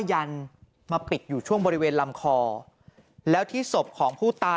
หลังจากพบศพผู้หญิงปริศนาตายตรงนี้ครับ